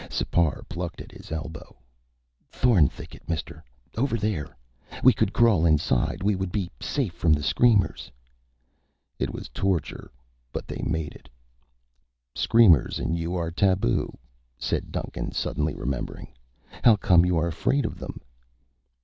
Sipar plucked at his elbow. "Thorn thicket, mister. Over there. We could crawl inside. We would be safe from screamers." It was torture, but they made it. "Screamers and you are taboo," said Duncan, suddenly remembering. "How come you are afraid of them?"